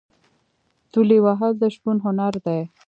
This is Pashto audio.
تولې وهل د شپون هنر دی.